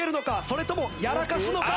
それともやらかすのか？